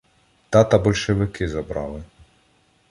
— Тата большевики забрали.